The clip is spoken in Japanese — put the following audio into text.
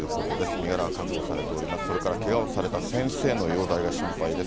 身柄が確保されております、それからけがをされた先生の容体が心配です。